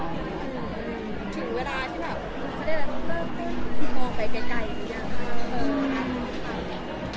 ถึงเวลาที่เค้าเริ่มมองไปไกลอย่างนี้